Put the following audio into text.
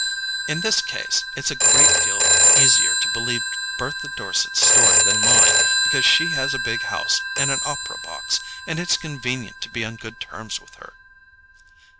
In this case it's a great deal easier to believe Bertha Dorset's story than mine, because she has a big house and an opera box, and it's convenient to be on good terms with her."